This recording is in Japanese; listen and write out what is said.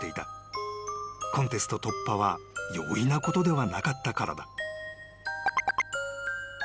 ［コンテスト突破は容易なことではなかったからだ］